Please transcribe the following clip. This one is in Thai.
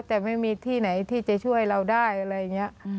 แต่ไม่มีที่ไหนที่จะช่วยเราได้อะไรอย่างนี้